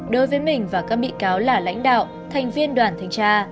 đối với mình và các bị cáo là lãnh đạo thành viên đoàn thanh tra